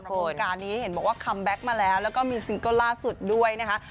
โครงการนี้เห็นบอกว่าคัมแบ็คมาแล้วแล้วก็มีซิงเกิลล่าสุดด้วยนะคะ